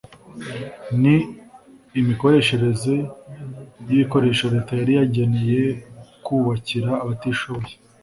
n imikoreshereze y ibikoresho Leta yari yageneye kubakira abatishoboye